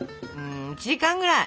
１時間ぐらい！